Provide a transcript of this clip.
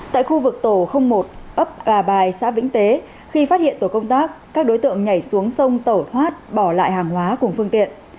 tại khu vực tổ một ấp gà bài xã vĩnh tế khi phát hiện tổ công tác các đối tượng nhảy xuống sông tẩu thoát bỏ lại hàng hóa cùng phương tiện